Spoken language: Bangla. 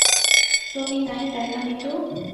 তুমি নাই, তাই না মিতু?